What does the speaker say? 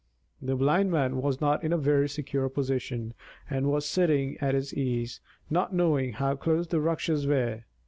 The Blind Man was not in a very secure position, and was sitting at his ease, not knowing how close the Rakshas were.